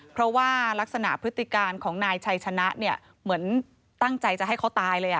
เพราะว่ารักษณพฤติการของนายชัยชนะเนี่ยเหมือนตั้งใจจะให้เขาตายเลย